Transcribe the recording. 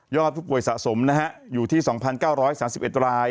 ผู้ป่วยสะสมนะฮะอยู่ที่๒๙๓๑ราย